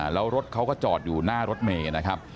แล้วรถเขาก็จอดอยู่หน้ารถเมย์นะครับ